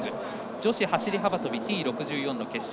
女子走り幅跳びＴ６４の決勝